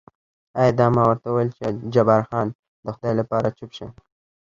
ایا دا؟ ما ورته وویل جبار خان، د خدای لپاره چوپ شه.